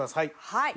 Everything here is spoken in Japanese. はい。